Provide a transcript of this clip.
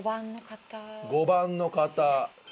５番の方。